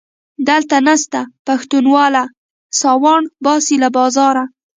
دلته نسته پښتونواله - ساوڼ باسي له بازاره